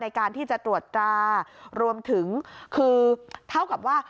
ในการที่จะตรวจตรารวมถึงคือเท่ากับว่า